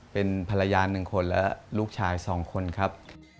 เป็นภรรยาหนึ่งคนแล้วลูกชายสองคนครับ